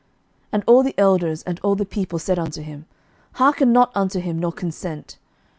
11:020:008 And all the elders and all the people said unto him, Hearken not unto him, nor consent.